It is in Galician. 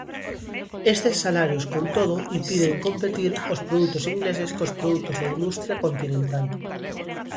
Estes salarios, con todo, impiden competir aos produtos ingleses cos produtos da industria continental.